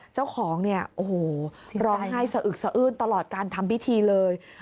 เจ้าของร้องไห้สะอึกสะอื้นตลอดการทำพิธีเลย